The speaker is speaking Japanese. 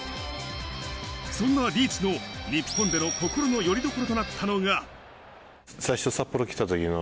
そんなリーチの日本での心のよりどころとなったのが。